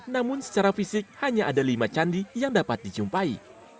namun secara fisik hanya ada lima candi yang dapat dijumpai